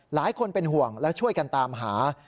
หลายคนเป็นห่วงและช่วยกันตามหา